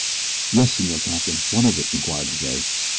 "Yes, Senor Capitan, what of it?" inquired Jose.